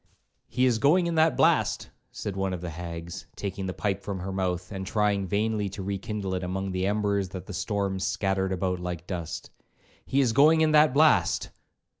'He is going in that blast,' said one of the hags, taking the pipe from her mouth, and trying vainly to rekindle it among the embers that the storm scattered about like dust; 'he is going in that blast.'